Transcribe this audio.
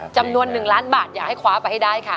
จำนวน๑ล้านบาทอยากให้คว้าไปให้ได้ค่ะ